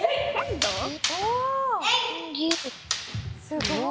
すごい。